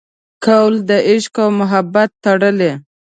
قول د عشق او محبت تړلي